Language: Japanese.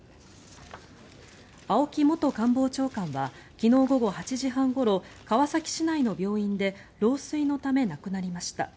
青木元官房長官は昨日午後８時半ごろ川崎市内の病院で老衰のため亡くなりました。